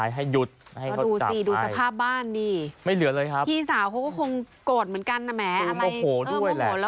อะไรเอิ้มโอโหแล้วเผาบ้านตัวเองเอิ้มโอโหด้วยแหละ